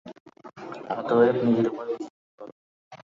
অতএব নিজের উপর বিশ্বাস কর।